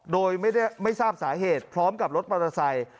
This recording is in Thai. โดยไม่ทราบสาเหตุพร้อมกับรถมอเตอร์ไซค์